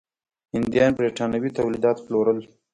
هندیان برېټانوي تولیدات پلورل.